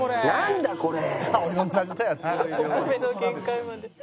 お米の限界まで。